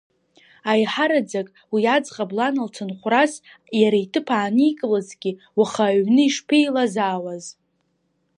Аиҳараӡак, уи аӡӷаб Лана лцынхәрас иара иҭыԥ ааникылазҭгьы, уаха аҩны ишԥеилазаауаз?